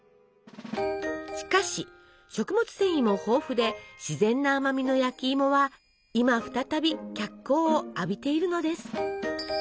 しかし食物繊維も豊富で自然な甘みの焼きいもは今再び脚光を浴びているのです！